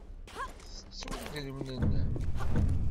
Tettud idrimen-nnem?